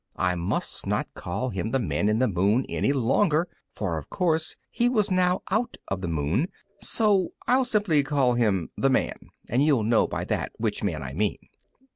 I must not call him the Man in the Moon any longer, for of course he was now out of the moon; so I'll simply call him the Man, and you'll know by that which man I mean.